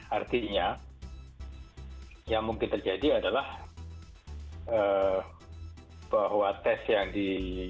artinya yang mungkin terjadi adalah bahwa tes yang di